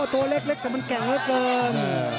ตัวเล็กแต่มันแก่งเหลือเกิน